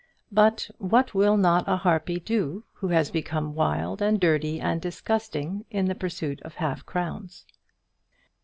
But what will not a harpy do who has become wild and dirty and disgusting in the pursuit of half crowns?